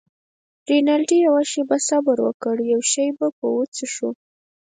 رینالډي: یوه شیبه صبر وکړه، یو شی به وڅښو.